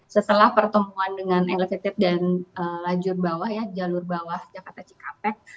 setelah pertemuan dengan elevated dan lajur bawah jakarta cikapet